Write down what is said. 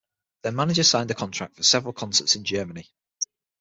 Their manager signed a contract for several concerts in Germany.